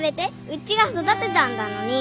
うちが育てたんだのに。